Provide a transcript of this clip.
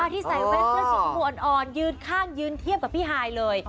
ที่ใส่แว่นเสื้อสีชมพูอ่อนยืนข้างยืนเทียบกับพี่ฮายเลย